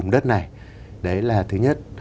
đấy là thứ nhất